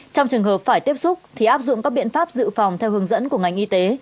trong trường hợp phải tiếp xúc thì áp dụng các biện pháp dự phòng theo hướng dẫn của ngành y tế